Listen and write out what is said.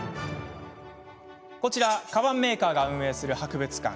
こちらは、かばんメーカーが運営する博物館。